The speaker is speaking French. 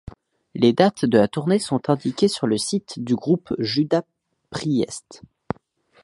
Les dates de la tournée sont indiquées sur le site du groupe Judas Priest.